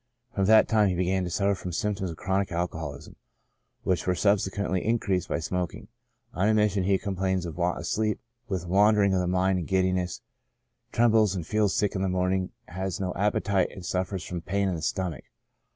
From that time he began to suffer from symptoms of chronic alcoholism, which were subsequently increased by smoking. On admission he complains of want of sleep, with wander ing of the mind and giddiness ; trembles and feels sick in the morning, has no appetite, and suffers from pain in the stomach.